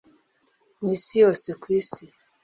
mu isi yose kwisi